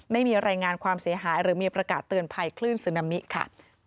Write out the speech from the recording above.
ไม่มีรายงานความเสียหายหรือมีประกาศเตือนภัยคลื่นซึนามิค่ะ